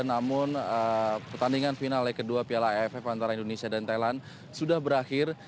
namun pertandingan final leg kedua piala aff antara indonesia dan thailand sudah berakhir